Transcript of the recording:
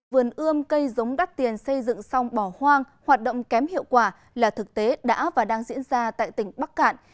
vườn ươm cây giống đắt tiền xây dựng xong bỏ hoang hoạt động kém hiệu quả là thực tế đã và đang diễn ra tại tỉnh bắc cạn